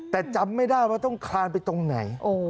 แต่จำไม่ได้ว่าต้องคลานไปตรงไหน